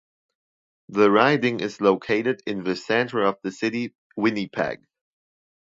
The riding is located in the centre of the City of Winnipeg.